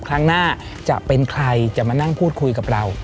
ครั้งหน้าจะเป็นใครจะมานั่งพูดคุยกับเรา